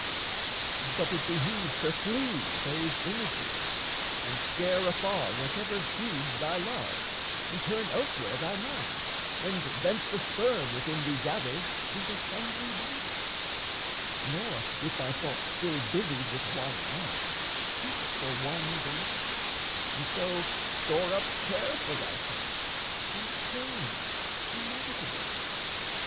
But it behooves to flee those images; And scare afar whatever feeds thy love; And turn elsewhere thy mind; and vent the sperm, Within thee gathered, into sundry bodies, Nor, with thy thoughts still busied with one love, Keep it for one delight, and so store up Care for thyself and pain inevitable.